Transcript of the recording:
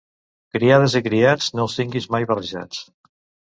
Criades i criats no els tinguis mai barrejats.